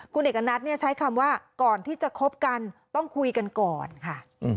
คุณเอกณัฐใช้คำว่าก่อนที่จะคบกันต้องคุยกันก่อนค่ะ